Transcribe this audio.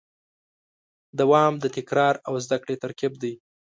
دوام د تکرار او زدهکړې ترکیب دی.